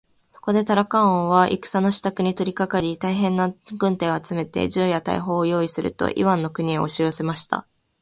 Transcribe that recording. そこでタラカン王は戦のしたくに取りかかり、大へんな軍隊を集めて、銃や大砲をよういすると、イワンの国へおしよせました。